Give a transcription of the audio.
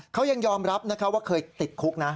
เขายังยอมรับว่าเคยติดคุกนะ